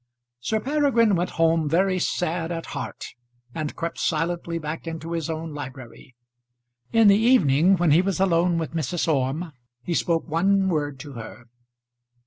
Sir Peregrine went home very sad at heart, and crept silently back into his own library. In the evening, when he was alone with Mrs. Orme, he spoke one word to her.